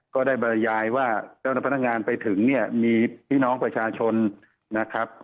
ก็ได้บรรยายว่าเจ้าพนักงานไปถึงเนี่ยมีพี่น้องประชาชนนะครับ